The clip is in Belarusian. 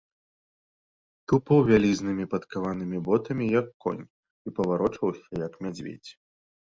Тупаў вялізнымі падкаванымі ботамі, як конь, і паварочваўся, як мядзведзь.